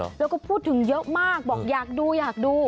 แล้วก็พูดถึงเยอะมากบอกอยากดูอยากดู